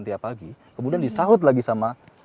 tiap pagi kemudian disaut lagi sama